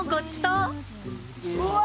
うわ！